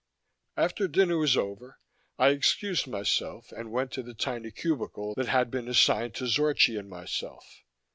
After dinner was over, I excused myself and went to the tiny cubicle that had been assigned to Zorchi and myself.